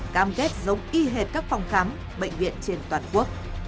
cam kết giống y hệt các phòng khám bệnh viện trên toàn quốc